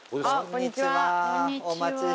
こんにちは。